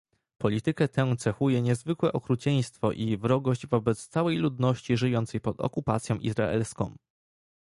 Politykę tę cechuje niezwykłe okrucieństwo i wrogość wobec całej ludności żyjącej pod okupacją izraelską